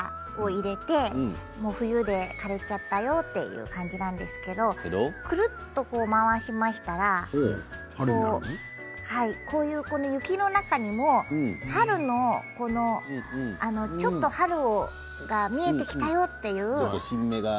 こちらに枯れかけた葉っぱとかが入れて冬、枯れちゃったよという感じなんですけどくるっと回しましたら雪の中にもちょっと春が見えてきたよという。